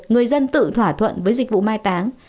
người dân tự thỏa thuận với dịch vụ mai táng